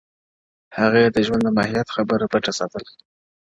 هغې د ژوند د ماهيت خبره پټه ساتل”